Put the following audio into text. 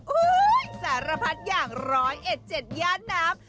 อุ้ยสารพัดอย่างร้อยเอ็ดเจ็ดยานน้ำ